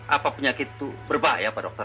apa penyakit itu berbahaya pada dokter